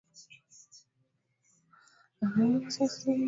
wengine wanaishia upande wa majengo wengine wanahesabu